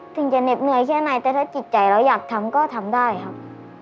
ถึงจะเหน็บเหนื่อยแค่ไหนแต่ถ้าจิตใจเราอยากทำก็ทำได้ครับ